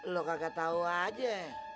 lo kagak tau aja